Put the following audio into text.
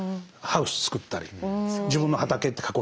ハウス作ったり自分の畑って囲ったり。